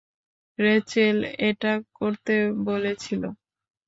Rachel এটা করতে বলেছিল।